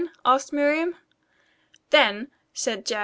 asked Miriam. "Then," said J.